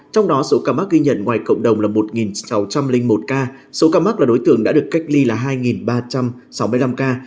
trong đó số ca mắc ghi nhận ngoài cộng đồng là một sáu trăm linh một ca số ca mắc là đối tượng đã được cách ly là hai ba trăm sáu mươi năm ca